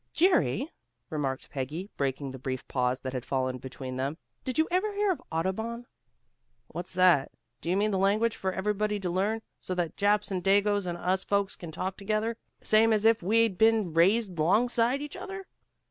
"Jerry," remarked Peggy, breaking the brief pause that had fallen between them, "did you ever hear of Audubon?" "What's that? Do you mean the language for everybody to learn, so that Japs and Dagoes and us folks can talk together, same as if we'd been raised 'longside each other?"